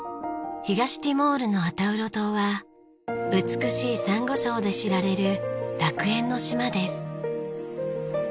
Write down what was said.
東ティモールのアタウロ島は美しいサンゴ礁で知られる楽園の島です。